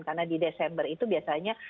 karena di desember itu biasanya